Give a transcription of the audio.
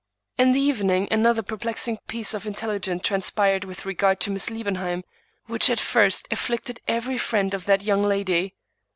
In the evening another perplexing piece of intelligence trans pired with regard to Miss Liebenheim, which at first af flicted every friend of that young lady.